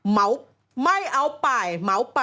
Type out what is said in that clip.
เมาป์ไม่เอาไปเมาป์ไป